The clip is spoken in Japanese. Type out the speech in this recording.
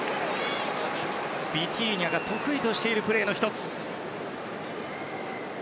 ビティーニャが得意としているプレーの１つ。